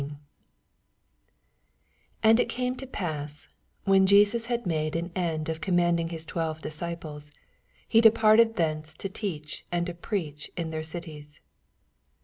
1 And it oame to pass, when Jeans had made an end or commanding his twelve disdples, he departed thenoe to teach and to preach m their cities.